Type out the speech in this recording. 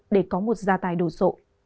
để có một gia tài đồ sộ